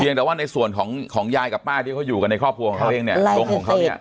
ยังแต่ว่าในส่วนของยายกับป้าที่เขาอยู่กันในครอบครัวของเขาเองเนี่ยลงของเขาเนี่ย